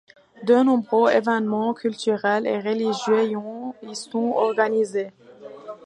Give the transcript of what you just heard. De nombreux événements culturels et religieux y sont organisés.